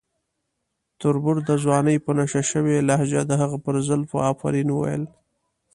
تربور د ځوانۍ په نشه شوې لهجه د هغې پر زلفو افرین وویل.